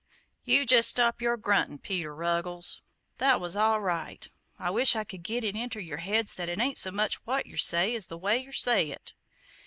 "You just stop your gruntin', Peter Ruggles; that was all right. I wish I could git it inter your heads that it ain't so much what yer say, as the way yer say it.